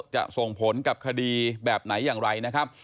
จะส่งผลกับคดีแบบไหนอย่างไรนะครับ